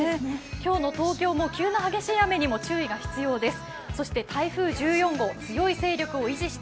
今日の東京も急な激しい雨にも注意が必要です。